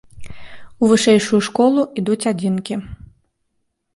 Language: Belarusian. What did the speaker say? У вышэйшую школу ідуць адзінкі.